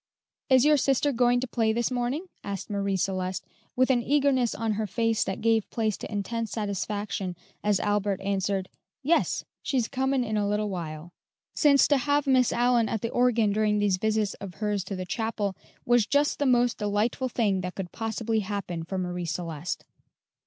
"Is your sister going to play this morning?" asked Marie Celeste, with an eagerness on her face that gave place to intense satisfaction as Albert answered, "Yes; she's comin' in a little while;" since to have Miss Allyn at the organ during these visits of hers to the chapel was just the most delightful thing that could possibly happen for Marie Celeste.